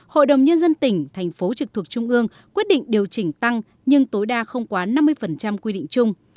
hội đồng nhân dân tỉnh tp hcm quyết định điều chỉnh tăng nhưng tối đa không quá năm mươi quy định chung